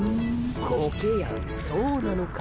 コケヤンそうなのか？